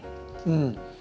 うん。